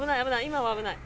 今は危ない。